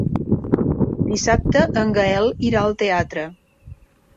Dissabte en Gaël irà al teatre.